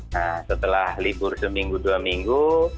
nah setelah libur seminggu dua minggu